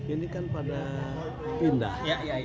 ini kan pada pindah